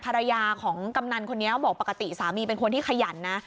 ภรรยาของกำนันคนนี้บอกปกติสามีเป็นคนที่ขยันนะ